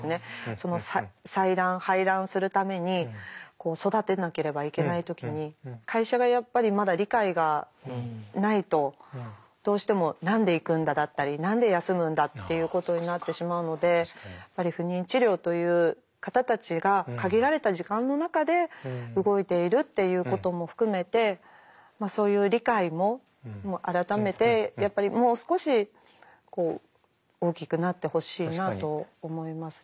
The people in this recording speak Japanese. その採卵排卵するために育てなければいけない時に会社がやっぱりまだ理解がないとどうしても「何で行くんだ」だったり「何で休むんだ」っていうことになってしまうのでやっぱり不妊治療という方たちが限られた時間の中で動いているっていうことも含めてそういう理解も改めてやっぱりもう少し大きくなってほしいなと思いますね。